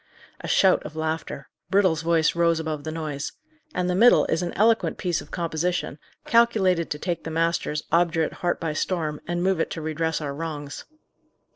'" A shout of laughter; Brittle's voice rose above the noise. "And the middle is an eloquent piece of composition, calculated to take the master's obdurate heart by storm, and move it to redress our wrongs."